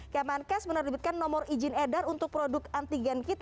kemenkes menerbitkan nomor izin edar untuk produk antigen kit